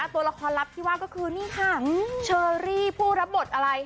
ตัวละครลับที่ว่าก็คือนี่ค่ะเชอรี่ผู้รับบทอะไร